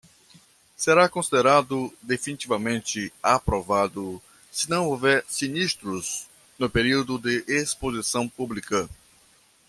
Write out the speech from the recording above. Será considerado definitivamente aprovado se não houver sinistros no período de exposição pública.